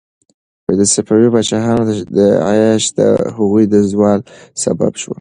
د صفوي پاچاهانو عیاشي د هغوی د زوال سبب شوه.